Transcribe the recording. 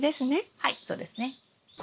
はいそうですね。